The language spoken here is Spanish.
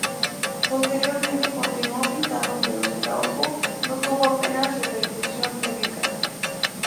Posteriormente continuó pintando pero su trabajo no tuvo apenas repercusión pública.